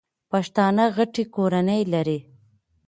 پښتانه غټي کورنۍ لري.